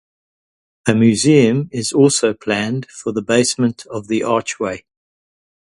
A museum is also planned for the basement of the archway.